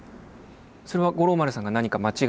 それは五郎丸さんが何か間違えた時に？